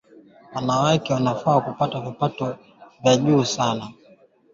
kwa kuwachagua maseneta na wabunge ambao watalinda na kutetea haki za wanawake